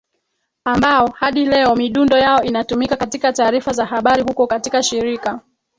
ambao hadi leo midundo yao inatumika katika taarifa za habari huko katika shirika